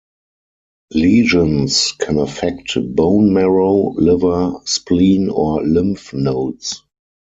Lesions can affect bone marrow, liver, spleen, or lymph nodes.